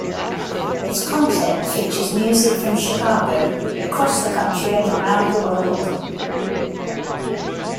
Its content features music from Chicago, across the country, and around the world.